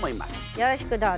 よろしくどうぞ。